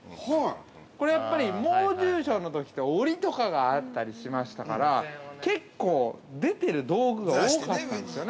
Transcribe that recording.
これはやっぱり猛獣ショーのときは、おりとかがあったりしましたから結構出てる道具が多かったんですよね。